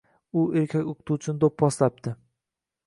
U erkak o‘qituvchini do‘pposlabdi.